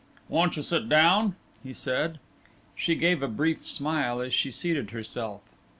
"Won't you sit down?" he said. She gave a brief smile as she seated herself.